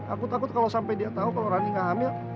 aku takut kalau sampai dia tahu kalau rani nggak hamil